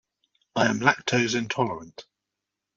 I am lactose intolerant.